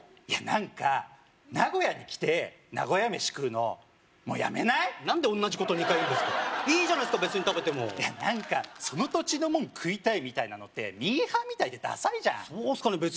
いや何か名古屋に来て名古屋飯食うのもうやめない？何で同じこと２回言うんですかいいじゃないですか別に食べてもいや何かその土地のもん食いたいみたいなのってミーハーみたいでダサいじゃんそうっすかね